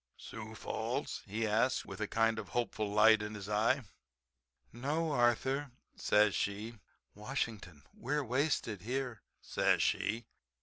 "Sioux Falls?" he asks with a kind of hopeful light in his eye. "No, Arthur," says she, "Washington. We're wasted here," says she.